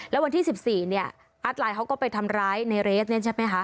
แล้ววันที่๑๔เนี่ยอาร์ตลายเขาก็ไปทำร้ายในเรศนี่ใช่มั้ยคะ